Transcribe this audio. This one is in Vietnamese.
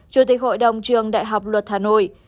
chủ tịch hội đồng trường đại học luật hà nội